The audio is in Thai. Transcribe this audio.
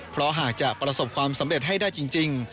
เพราะหากจะประสบความสำเร็จให้ได้จริง